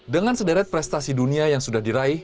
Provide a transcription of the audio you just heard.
dengan sederet prestasi dunia yang sudah diraih